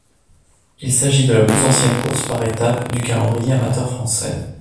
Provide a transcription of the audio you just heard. Il s'agit de la plus ancienne course par étapes du calendrier amateur français.